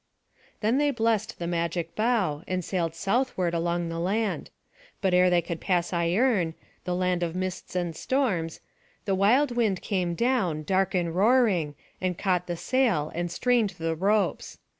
Then they blest the magic bough, and sailed southward along the land. But ere they could pass Ierne, the land of mists and storms, the wild wind came down, dark and roaring, and caught the sail, and strained the ropes.